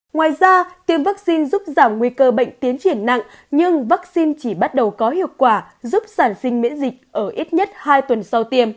ngoài ra tiêm vaccine giúp giảm nguy cơ bệnh tiến triển nặng nhưng vaccine chỉ bắt đầu có hiệu quả giúp sản sinh miễn dịch ở ít nhất hai tuần sau tiêm